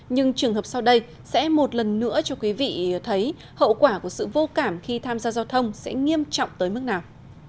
nhưng trường hợp sau đây sẽ một lần nữa cho quý vị thấy hậu quả của sự vô cảm khi tham gia giao thông sẽ nghiêm trọng tới mức nào